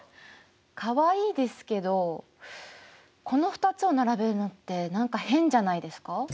かわいいですけどこの２つを並べるのって何か変じゃないですか？